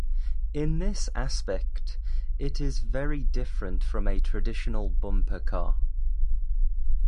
In this aspect, it is very different from a traditional bumper car.